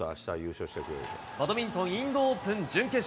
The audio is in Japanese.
バドミントン、インドオープン準決勝。